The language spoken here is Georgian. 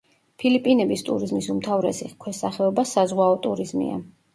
ფილიპინების ტურიზმის უმთავრესი ქვესახეობა საზღვაო ტურიზმია.